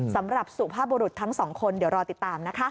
สำหรับสู่ผ้าบรุษทั้งสองคนเดี๋ยวรอติดตามนะคะ